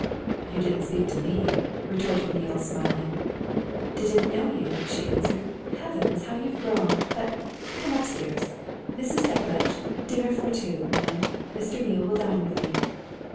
"You didn't speak to me," retorted Neale, smiling. "Didn't know you," she answered. "Heavens! how you've grown! But come upstairs. Mrs. Depledge dinner for two, mind. Mr. Neale will dine with me."